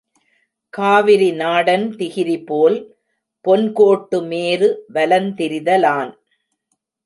காவிரி நாடன் திகிரிபோல் பொன்கோட்டு மேரு வலந்திரித லான்.